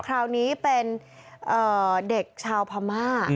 คราวนี้เป็นเด็กชาวพม่า